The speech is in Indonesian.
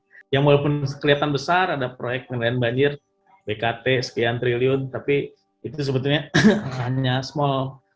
nah itu sepertinya walaupun kelihatan besar ada proyek menelan banjir bkt sekian triliun tapi itu sebetulnya hanya small